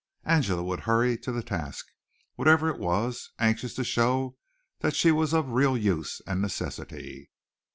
Angela would hurry to the task, whatever it was, anxious to show that she was of real use and necessity.